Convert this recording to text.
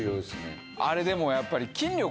あれでもやっぱり。